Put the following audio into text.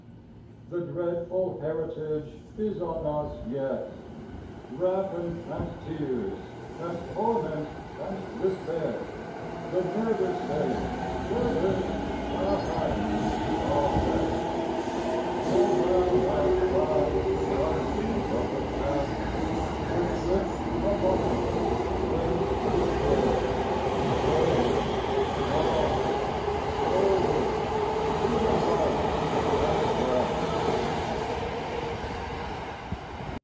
The dreadful heritage is on us yet : Rapine and tears and torment and despair The murder stains wherewith our hands are wet. Still round us rise the dungeons of the Past, The crypt abominable whence we fare Slowly, ah! slowly to the light at last.